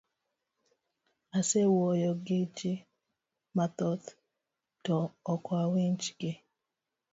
Asewuoyo giji mathoth to okawinj gi.